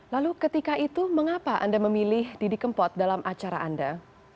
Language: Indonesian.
lalu ketika itu mengapa anda memilih didi kempot dalam acara anda